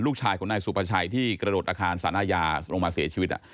ลูกชายของนายสุภาชัยที่กระโดดอาคารสารอาญาลงมาเสียชีวิต